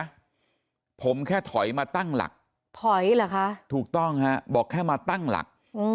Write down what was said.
ณผมแค่ถอยมาตั้งหลักถูกต้องบอกง่ายมาตั้งหลัก